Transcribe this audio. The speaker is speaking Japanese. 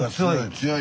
強い。